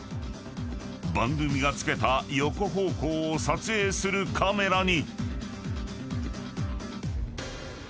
［番組が付けた横方向を撮影するカメラに］